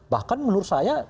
bahkan menurut saya